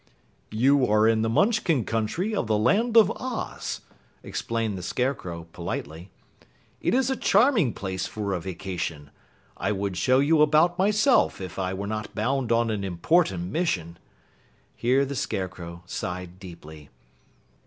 "You are in the Munchkin Country of the Land of Oz," explained the Scarecrow politely. "It is a charming place for a vacation. I would show you about myself if I were not bound on an important mission." Here the Scarecrow sighed deeply.